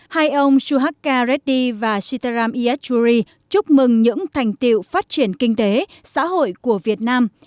hai ông suhaka reddy và sitaram iyaduri chúc mừng những thành tiệu phát triển kinh tế xã hội của việt nam